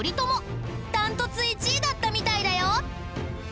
断トツ１位だったみたいだよ！